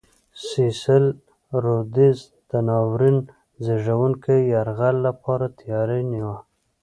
سیسل رودز د ناورین زېږوونکي یرغل لپاره تیاری نیوه.